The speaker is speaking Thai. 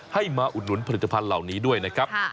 มาอุดหนุนผลิตภัณฑ์เหล่านี้ด้วยนะครับ